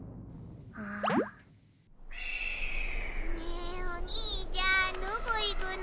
ねえおにいちゃんどこいくの？